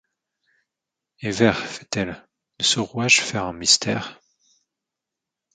Et, vère, feit-elle, ne sauroys-je faire ung mystère?